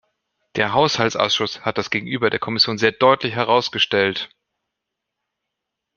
Der Haushaltsausschuss hat das gegenüber der Kommission sehr deutlich herausgestellt.